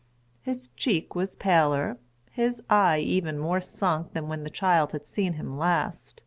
His cheek was paler—his eye even more sunk than when the child had seen him last.